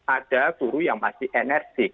ada guru yang masih enerjik